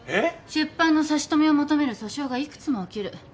出版の差し止めを求める訴訟が幾つも起きる。